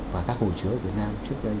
và các hồ chứa việt nam trước đây